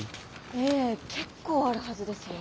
ええ結構あるはずですよ。